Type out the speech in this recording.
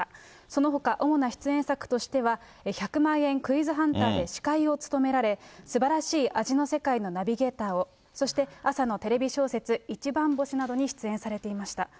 そのほか主な出演作としては、１００万円クイズハンターで司会を務められ、すばらしい味の世界のナビゲーターを、そして朝のテレビ小説、いちばん星などに出演されていました。